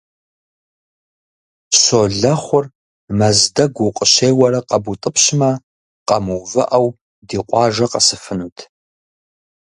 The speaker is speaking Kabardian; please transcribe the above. Щолэхъур Мэздэгу укъыщеуэрэ къэбутӀыпщмэ, къэмыувыӀэу, ди къуажэ къэсыфынут.